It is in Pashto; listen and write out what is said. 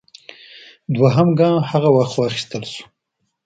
دویم ګام هغه وخت واخیستل شو